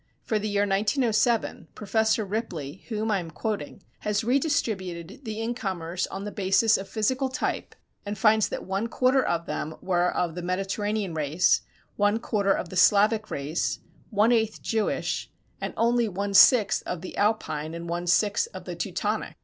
For the year 1907, Professor Ripley,[316:1] whom I am quoting, has redistributed the incomers on the basis of physical type and finds that one quarter of them were of the Mediterranean race, one quarter of the Slavic race, one eighth Jewish, and only one sixth of the Alpine, and one sixth of the Teutonic.